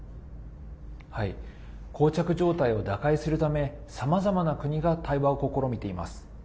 こう着状態を打開するためさまざまな国が対話を試みています。